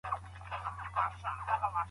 ټول تېر تر مدعا سي